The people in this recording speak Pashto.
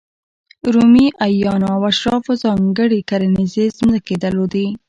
رومي اعیانو او اشرافو ځانګړې کرنیزې ځمکې درلودې.